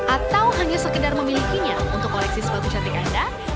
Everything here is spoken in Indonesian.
atau hanya sekedar memilikinya untuk koleksi sepatu cantik anda